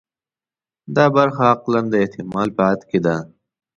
دا برخه اقلاً د احتمال په حد کې ده.